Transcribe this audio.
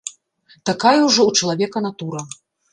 Такая ўжо ў чалавека натура.